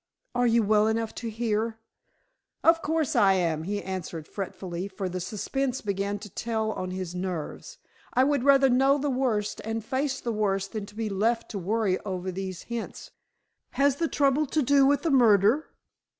"Are you well enough to hear?" "Of course I am," he answered fretfully, for the suspense began to tell on his nerves. "I would rather know the worst and face the worst than be left to worry over these hints. Has the trouble to do with the murder?"